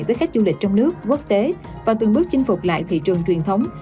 với khách du lịch trong nước quốc tế và từng bước chinh phục lại thị trường truyền thống